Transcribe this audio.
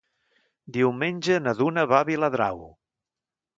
Diumenge na Duna va a Viladrau.